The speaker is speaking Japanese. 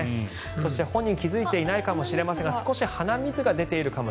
そして本人気付いていないかもしれませんが鼻水が出ていますね。